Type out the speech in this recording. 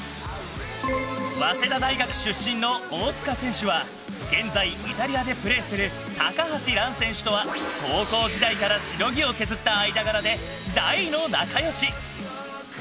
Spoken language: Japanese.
早稲田大学出身の大塚選手は現在、イタリアでプレーする高橋藍選手とは高校時代からしのぎを削った間柄で大の仲良し。